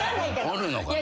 おるのかな？